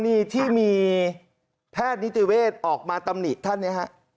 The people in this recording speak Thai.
กรณีที่มีแพทย์นิติเวชออกมาตำนิทท่านนะครับ